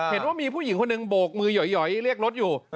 เห็นว่ามีผู้หญิงคนหนึ่งโบกมือหย่อยเรียกรถอยู่